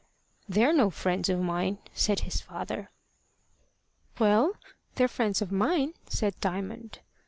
"They're no friends of mine," said his father. "Well, they're friends of mine," said Diamond.